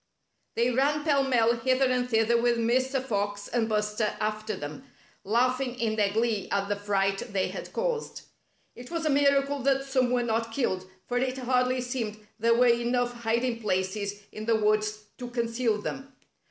They ran pell mell hither and thither, with Mr. Fox and Buster 84 Tlie Rabbits Rise Against Bumper after them, laughing in their glee at the fright they had caused. It was a miracle that some were not killed, for it hardly seemed there were enough hiding places in the woods to conceal them.